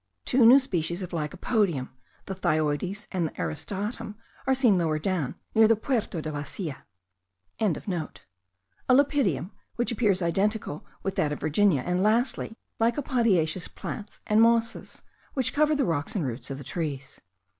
Two new species of lycopodium, the thyoides, and the aristatum, are seen lower down, near the Puerto de la Silla.); a lepidium, which appears identical with that of Virginia; and lastly, lycopodiaceous plants and mosses, which cover the rocks and roots of the trees.